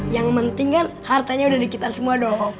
yang penting kan hartanya udah di kita semua dong